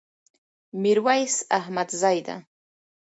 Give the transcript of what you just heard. ميرويس احمدزي ده